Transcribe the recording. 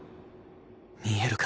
見えるか？